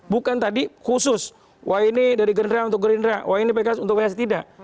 bukan tadi khusus wah ini dari gerindra untuk gerindra wah ini pks untuk pks tidak